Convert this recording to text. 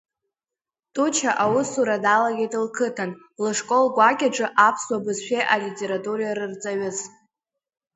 Туча аусура далагеит лқыҭан, лышкол гәакьаҿы аԥсуа бызшәеи алитературеи рырҵаҩыс.